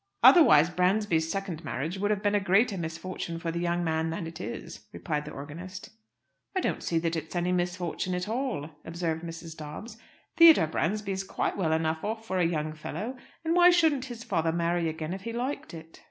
Otherwise Bransby's second marriage would have been a greater misfortune for the young man than it is," replied the organist. "I don't see that it is any misfortune at all," observed Mrs. Dobbs. "Theodore Bransby is quite well enough off for a young fellow. And why shouldn't his father marry again if he liked it?"